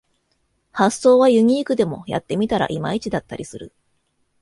発想はユニークでもやってみたらいまいちだったりする